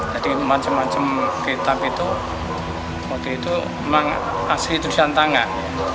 macam macam kitab itu waktu itu memang asli tulisan tangan